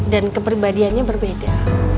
dan keperibadiannya berbeda